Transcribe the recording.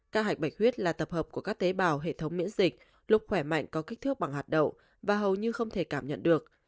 ca hạch bạch huyết là tập hợp của các tế bào hệ thống miễn dịch lúc khỏe mạnh có kích thước bằng hạt đậu và hầu như không thể cảm nhận được